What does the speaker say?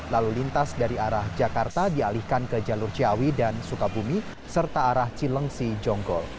lalu lintas dari arah jakarta dialihkan ke jalur ciawi dan sukabumi serta arah cilengsi jonggol